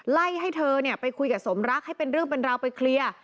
ไล่ให้เธอไปคุยกับสมรักให้เป็นเรื่องเป็นราวไปเคลียร์